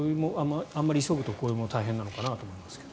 あんまり急ぐとこれも大変なのかなと思いますが。